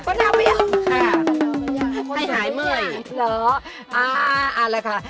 ป้าเนาไปย่างค่ะ